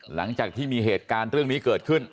หลังจากที่มีเหตุการณ์เรื่องนี้เกิดขึ้น